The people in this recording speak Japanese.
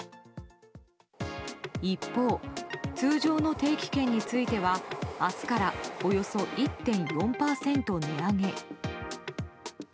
一方、通常の定期券については明日からおよそ１．４％値上げ。